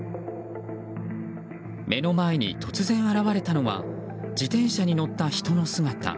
目の前に突然、現れたのは自転車に乗った人の姿。